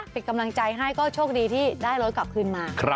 เป็นกำลังใจให้ก็โชคดีที่ได้รถกลับคืนมา